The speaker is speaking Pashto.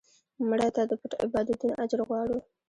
مړه ته د پټ عبادتونو اجر غواړو